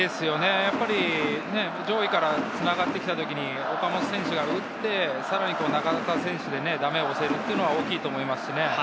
上位から繋がってきた時に、岡本選手が打って、さらに中田選手でだめを押せるというのは大きいと思います。